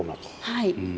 はい。